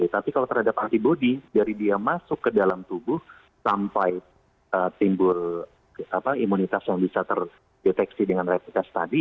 tapi kalau terhadap antibody dari dia masuk ke dalam tubuh sampai timbul imunitas yang bisa terdeteksi dengan rapid test tadi